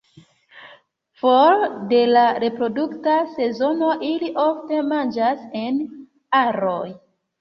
For de la reprodukta sezono ili ofte manĝas en aroj.